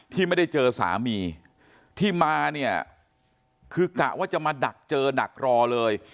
ที่ไม่ได้เจอสามีที่มาเนี่ยคือกะว่าจะมาดักเจอดักรอเลย